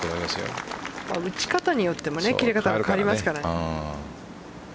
打ち方によっても切れ方が変わりますから。